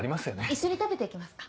一緒に食べて行きますか？